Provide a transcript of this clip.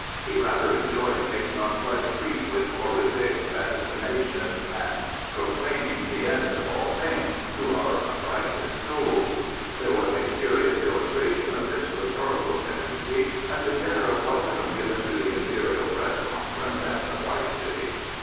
He rather enjoys making our flesh creep with horrific vaticinations and pro claiming the end of all things " to our affrighted souls. There was an illustration of this dramatic tendency at the dinner of welcome given to the Imperial Press Conference at the White City.